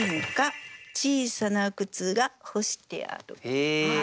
へえ。